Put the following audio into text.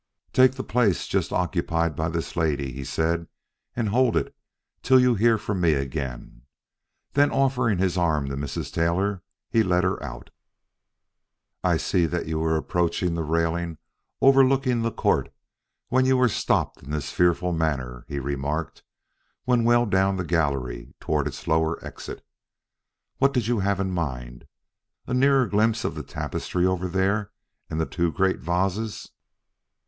"Take the place just occupied by this lady," he said, "and hold it till you hear from me again." Then offering his arm to Mrs. Taylor, he led her out. "I see that you were approaching the railing overlooking the court when you were stopped in this fearful manner," he remarked when well down the gallery toward its lower exit. "What did you have in mind? A nearer glimpse of the tapestry over there and the two great vases?"